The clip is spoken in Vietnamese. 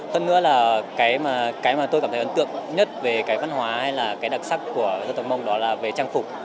hơn nữa là cái mà cái mà tôi cảm thấy ấn tượng nhất về cái văn hóa hay là cái đặc sắc của dân tộc mông đó là về trang phục